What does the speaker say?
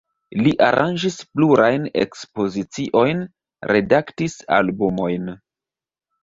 Li aranĝis plurajn ekspoziciojn, redaktis albumojn.